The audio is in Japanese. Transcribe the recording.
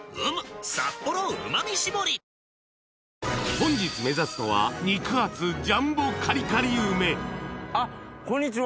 本日目指すのは肉厚ジャンボカリカリ梅こんにちは！